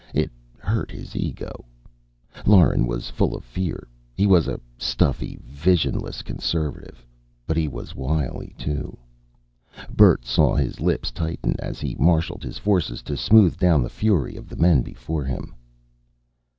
It hurt his ego. Lauren was full of fear; he was a stuffy, visionless conservative, but he was wily, too. Bert saw his lips tighten, as he marshalled his forces to smooth down the fury of the men before him.